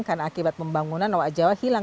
karena akibat pembangunan owa jawa hilang